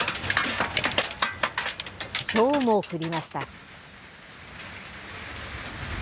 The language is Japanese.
ひょうも降りました。